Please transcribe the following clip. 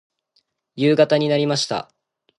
夕方になりました。